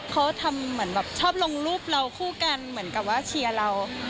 เขาทำเหมือนแบบชอบลงรูปเราคู่กันเหมือนกับว่าเชียร์เรา